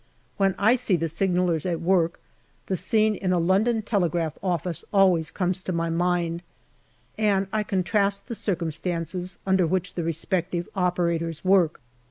When I see the signallers at work, the scene in a London telegraph office always comes to my mind, and I contrast the circum stances under which the respective operators work.